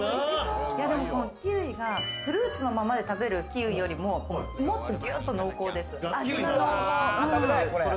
キウイがフルーツのままで食べるキウイよりももっとぎゅっと濃厚です。